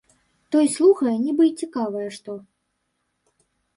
Той слухае, нібы й цікавае што.